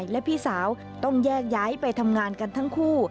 และพี่สาวต้องแยกย้ายไปทำงานกันทั้งคู่